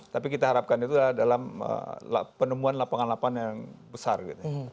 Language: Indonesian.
tapi kita harapkan itu dalam penemuan lapangan lapangan yang besar gitu ya